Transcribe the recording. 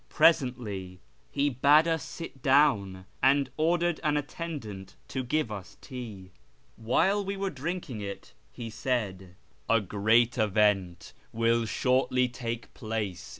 Presently he bade us sit down, and ordered an attendant to give us tea. While we were drinking it he said, ' A great event will shortly take place in ^ See pp.